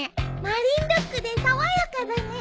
マリンルックで爽やかだね。